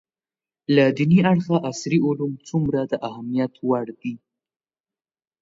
له دیني اړخه عصري علوم څومره د اهمیت وړ دي